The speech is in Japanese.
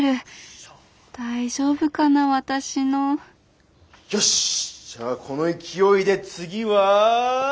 大丈夫かな私のよしじゃあこの勢いで次は。